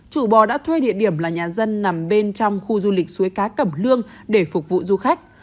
chủ bò đã thuê địa điểm là nhà dân nằm bên trong khu du lịch suối cá cẩm lương để phục vụ du khách